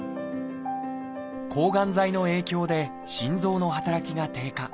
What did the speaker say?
抗がん剤の影響で心臓の働きが低下。